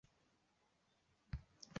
以前认为居酒屋一定要有肉类饭菜。